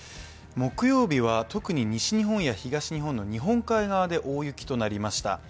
木曜日は特に西日本や東日本の日本海側で大雪となりました。